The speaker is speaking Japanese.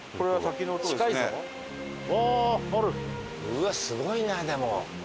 うわっすごいなでも。